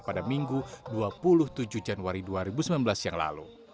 pada minggu dua puluh tujuh januari dua ribu sembilan belas yang lalu